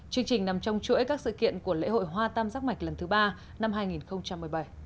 chương trình nằm trong chuỗi các sự kiện của lễ hội hoa tam giác mạch lần thứ ba năm hai nghìn một mươi bảy